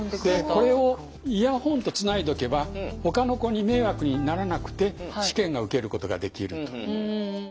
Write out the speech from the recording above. これをイヤホンとつないでおけばほかの子に迷惑にならなくて試験が受けることができると。